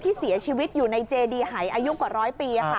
ที่เสียชีวิตอยู่ในเจดีหายอายุกว่าร้อยปีค่ะ